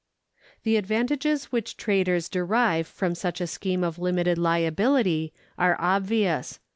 The advantages which traders derive from such a scheme of limited liability are obvious.